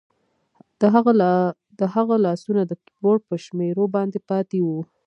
د هغه لاسونه د کیبورډ په شمیرو باندې پاتې وو